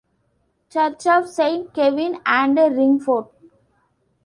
Church of Saint Kevin and ringfort.